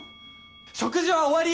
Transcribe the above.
食事は終わり！